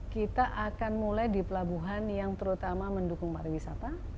kita akan mulai di pelabuhan yang terutama mendukung pariwisata